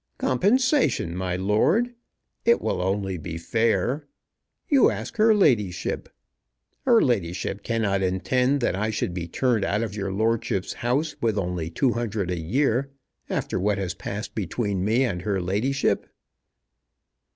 "Compensation, my lord. It will only be fair. You ask her ladyship. Her ladyship cannot intend that I should be turned out of your lordship's house with only two hundred a year, after what has passed between me and her ladyship."